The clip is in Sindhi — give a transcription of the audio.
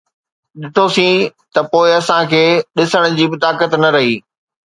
ڏٺوسين ته پوءِ اسان کي ڏسڻ جي به طاقت نه رهي